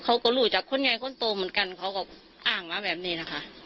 เขาก็อ้างก็แบบนี้นะคะ